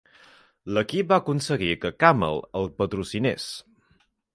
L'equip va aconseguir que Camel el patrocinés.